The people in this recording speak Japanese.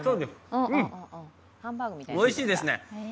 うん、おいしいですね。